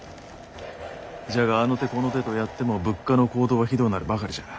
じゃがあの手この手とやっても物価の高騰はひどうなるばかりじゃ。